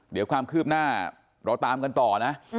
เดี๋ยวความคืบหน้าเราตามกันต่อนะ